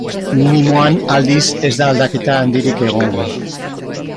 Minimoan, aldiz, ez da aldaketa handirik egongo.